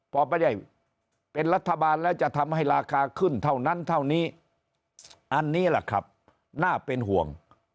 พอไม่ได้เป็นรัฐบาลแล้วจะทำให้ราคาขึ้นเท่านั้นเท่านี้อันนี้แหละครับน่าเป็นห่วง